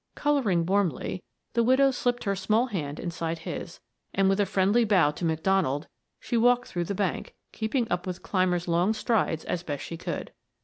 Coloring warmly, the widow slipped her small hand inside his, and with a friendly bow to McDonald, she walked through the bank, keeping up with Clymer's long strides as best she could.